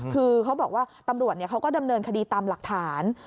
คือเขาบอกว่าตำรวจเขาก็ดำเนินคดีตามหลักฐาน